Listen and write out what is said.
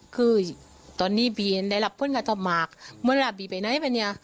คือตอนนี้พี่ได้รับเพื่อนกับท่อมากเมื่อละพี่ไปไหนไปเนี่ย